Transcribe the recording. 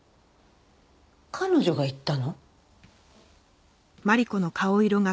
彼女が言ったの？